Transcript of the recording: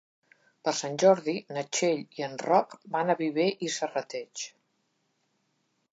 Per Sant Jordi na Txell i en Roc van a Viver i Serrateix.